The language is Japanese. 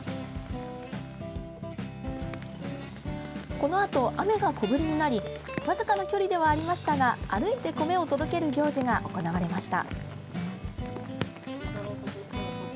このあと、雨が小降りになり僅かな距離ではありましたが歩いて米を届ける行事が行われました。